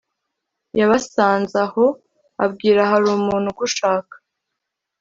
yabasanzaho abwira harumuntu ugushaka.